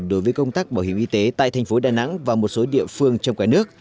đối với công tác bảo hiểm y tế tại thành phố đà nẵng và một số địa phương trong cả nước